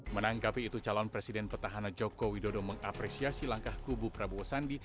menanggapi itu calon presiden petahana joko widodo mengapresiasi langkah kubu prabowo sandi